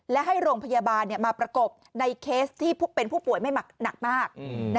และให้โรงพยาบาลมาประกบในเคสที่เป็นผู้ป่วยไม่หนักมาก